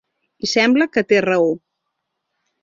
I sembla que té raó.